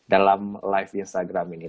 dalam live instagram ini